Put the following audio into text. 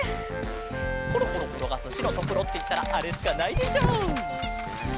コロコロころがすしろとくろっていったらあれしかないでしょう！